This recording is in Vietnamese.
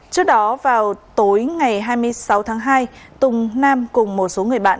trước đó vào tối ngày hai mươi sáu tháng hai tùng nam cùng một số người bạn